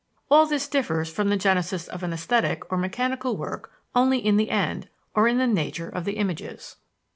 All this differs from the genesis of an esthetic or mechanical work only in the end, or in the nature of the images.